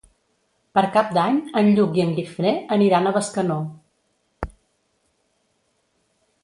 Per Cap d'Any en Lluc i en Guifré aniran a Bescanó.